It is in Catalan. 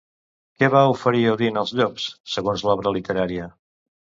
Què va oferir Odin als llops, segons l'obra literària?